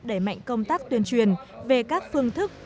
đẩy mạnh công tác tuyên truyền về các phương thức